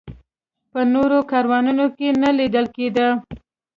په نورو کاروانونو کې نه لیدل کېده.